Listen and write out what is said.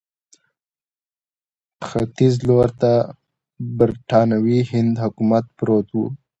ختیځ لوري ته د برټانوي هند حکومت پروت وو.